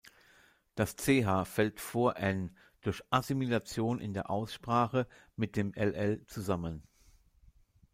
Das "ch" fällt vor "n" durch Assimilation in der Aussprache mit dem "ll" zusammen.